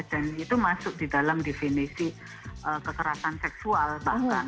dan itu masuk di dalam definisi kekerasan seksual bahkan